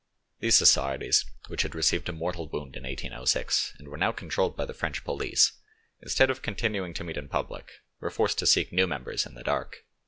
These societies, which had received a mortal wound in 1806 and were now controlled by the French police, instead of continuing to meet in public, were forced to seek new members in the dark.